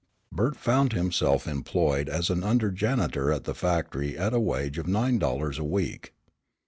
Bert found himself employed as an under janitor at the factory at a wage of nine dollars a week.